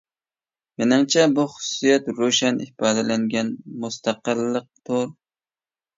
مېنىڭچە بۇ خۇسۇسىيەت روشەن ئىپادىلەنگەن مۇستەقىللىقتۇر.